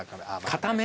硬め。